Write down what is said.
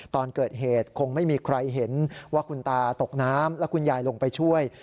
ตอนเกิดเหตุคงไม่มีใครเห็นว่าคุณตาตกน้ำแล้วคุณยายลงไปช่วย